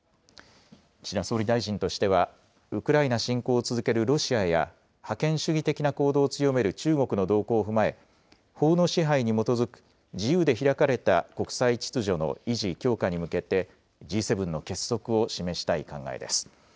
岸田総理大臣としては、ウクライナ侵攻を続けるロシアや覇権主義的な行動を強める中国の動向を踏まえ、法の支配に基づく自由で開かれた国際秩序の維持・強化に向けて、Ｇ７の結束を示したい考えです。